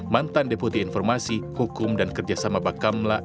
mantan deputi informasi hukum dan kerjasama bakamla